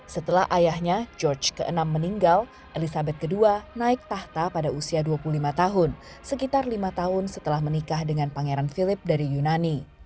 setelah ayahnya george vi meninggal elizabeth ii naik tahta pada usia dua puluh lima tahun sekitar lima tahun setelah menikah dengan pangeran philip dari yunani